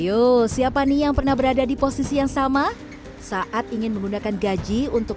yuk siapa nih yang pernah berada di posisi yang sama saat ingin menggunakan gaji untuk